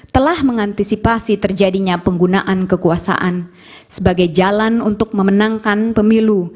telah mengantisipasi terjadinya penggunaan kekuasaan sebagai jalan untuk memenangkan pemilu